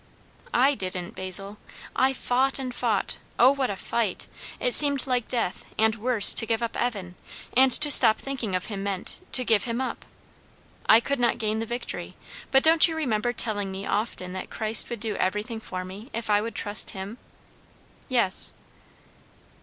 "I didn't, Basil. I fought and fought O, what a fight! It seemed like death, and worse, to give up Evan; and to stop thinking of him meant, to give him up. I could not gain the victory. But don't you remember telling me often that Christ would do everything for me if I would trust him?" "Yes."